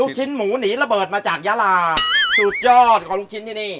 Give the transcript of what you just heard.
ชิ้นหมูหนีระเบิดมาจากยาลาสุดยอดของลูกชิ้นที่นี่